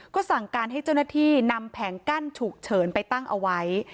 ก็สั่งการให้เจ้าหน้าที่นำแผงกั้นฉุกเฉินไปตั้งเอาไว้